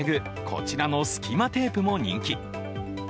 こちらのすきまテープも人気。